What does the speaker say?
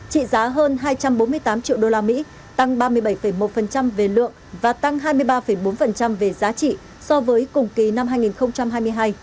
trị giá hơn hai trăm bốn mươi tám triệu usd tăng ba mươi bảy một về lượng và tăng hai mươi ba bốn về giá trị so với cùng kỳ năm hai nghìn hai mươi hai